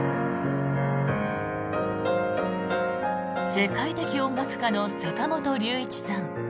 世界的音楽家の坂本龍一さん。